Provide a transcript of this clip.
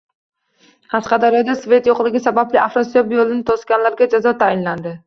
Qashqadaryoda “svet” yo‘qligi sabab “Afrosiyob” yo‘lini to‘sganlarga jazo tayinlandi